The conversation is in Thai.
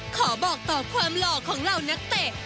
ขอบอกต่อความหล่อของเหล่านักเตะ